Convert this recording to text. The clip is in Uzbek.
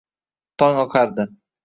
Tong oqardi.